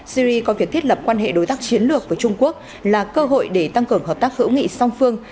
syri coi việc thiết lập quan hệ đối tác chiến lược với trung quốc là cơ hội để tăng cường hợp tác hữu nghị song phương